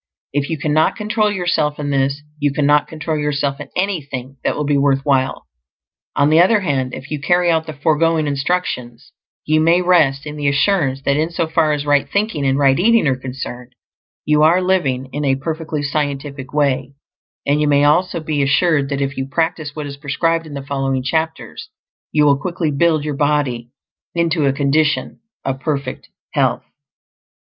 If you cannot control yourself in this, you cannot control yourself in anything that will be worth while. On the other hand, if you carry out the foregoing instructions, you may rest in the assurance that in so far as right thinking and right eating are concerned you are living in a perfectly scientific way; and you may also be assured that if you practice what is prescribed in the following chapters you will quickly build your body into a condition of perfect health.